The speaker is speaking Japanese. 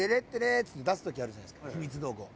っつって出す時あるじゃないですかひみつ道具を。